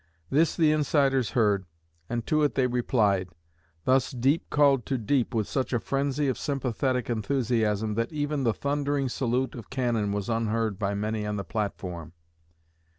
This the insiders heard, and to it they replied. Thus deep called to deep with such a frenzy of sympathetic enthusiasm that even the thundering salute of cannon was unheard by many on the platform.